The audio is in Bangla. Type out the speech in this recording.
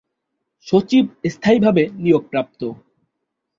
সচিব স্থায়ীভাবে নিয়োগপ্রাপ্ত।